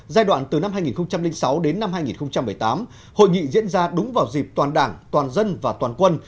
giai đoạn từ năm hai nghìn sáu đến năm hai nghìn một mươi tám hội nghị diễn ra đúng vào dịp toàn đảng toàn dân và toàn quân